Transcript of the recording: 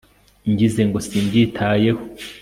nagize ngo simbyitayeho